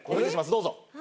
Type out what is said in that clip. どうぞ。